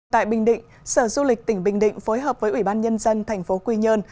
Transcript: tại bình định sở du lịch tỉnh bình định phối hợp với ủy ban nhân dân tp quy nhơn